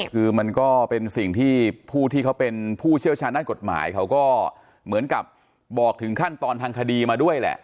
คือมันก็เป็นสิ่งที่ผู้ที่เขาเป็นผู้เชี่ยวชาญด้านกฎหมายเขาก็เหมือนกับบอกถึงขั้นตอนทางคดีมาด้วยแหละ